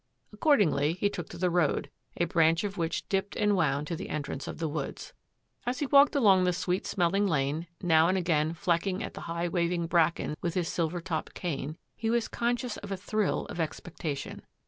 Accordingly, he took to the road, a branch of which dipped and wound to the entrance of the woods. As he walked along the sweet smelling lane, now and again flecking at the high waving bracken with his silver topped cane, he was conscious of a thrill of expectation.